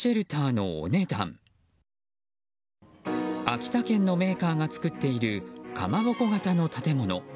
秋田県のメーカーが作っているかまぼこ形の建物。